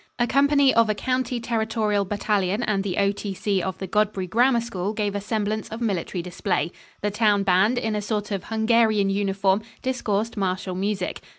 A company of a County Territorial Battalion and the O.T.C. of the Godbury Grammar School gave a semblance of military display. The Town Band, in a sort of Hungarian uniform, discoursed martial music.